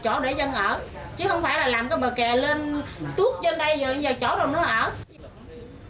chứ không phải là làm cái bờ kè lên tuốt trên đây rồi giờ chỗ đâu nó ở